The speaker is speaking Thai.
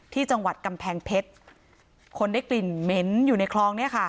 ที่จังหวัดกำแพงเพชรคนได้กลิ่นเหม็นอยู่ในคลองเนี่ยค่ะ